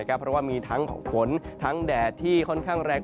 เพราะว่ามีทั้งฝนทั้งแดดที่ค่อนข้างแรง